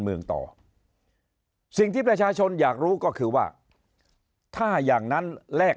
เมืองต่อสิ่งที่ประชาชนอยากรู้ก็คือว่าถ้าอย่างนั้นแลก